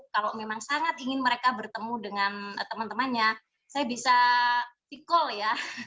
kalau memang sangat ingin mereka bertemu dengan teman temannya saya bisa e call ya